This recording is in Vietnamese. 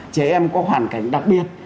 trẻ em có hoàn cảnh đặc biệt